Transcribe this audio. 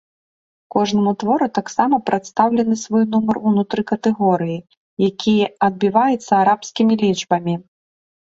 Кожнаму твору таксама прадстаўлены свой нумар ўнутры катэгорыі, які адбіваецца арабскімі лічбамі.